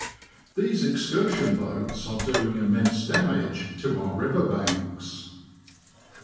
These excursion boats are doing immense damage to our river banks.